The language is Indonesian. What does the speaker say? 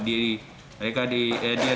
di kukul kakak